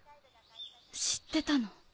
知ってたの？